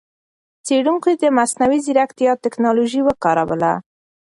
څېړونکو د مصنوعي ځېرکتیا ټکنالوجۍ وکاروله.